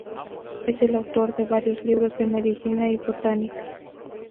Es el autor de varios libros de medicina y botánica.